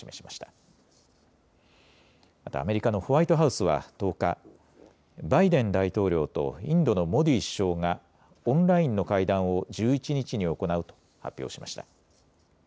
またアメリカのホワイトハウスは１０日、バイデン大統領とインドのモディ首相がオンラインの会談を１１日に行うと発表しました。